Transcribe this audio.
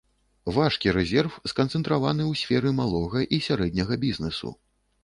Важкі рэзерв сканцэнтраваны ў сферы малога і сярэдняга бізнэсу.